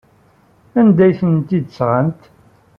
Anda ay tent-id-tesɣamt?